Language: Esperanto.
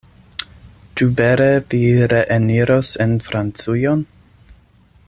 Ĉu vere vi reeniros en Francujon?